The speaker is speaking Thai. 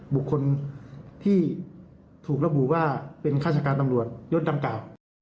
บุคคลที่ถูกระบุว่าเป็นฆาติการตำรวจยศดังกล่าว